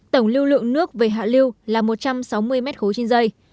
tổng lưu lượng nước về hạ lưu là một trăm sáu mươi m ba trên dây